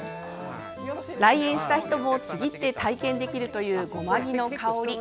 来園した人も、ちぎって体験できるというゴマギの香り。